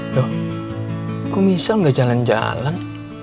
aduh kok misal gak jalan jalan